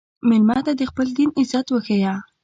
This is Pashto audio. مېلمه ته د خپل دین عزت وښیه.